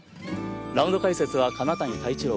ラウンド解説は金谷多一郎